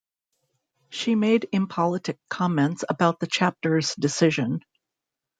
She made impolitic comments about the chapter's decision.